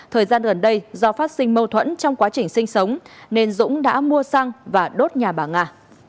thời gian gần đây do phát sinh mâu thuẫn trong quá trình sinh sống nên dũng đã mua xăng và đốt nhà bà nga